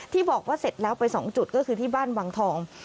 ที่บอกว่าเสร็จแล้วไป๒จุดก็คือที่บ้านวังทอง